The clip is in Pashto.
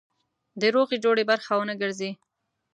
د روغې جوړې برخه ونه ګرځي.